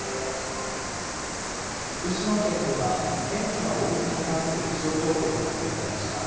福島県では顕著な大雪に関する気象情報が発表されました。